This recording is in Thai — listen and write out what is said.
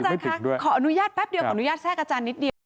ขออนุญาตแป๊บเดียวขออนุญาตแทรกอาจารย์นิดเดียว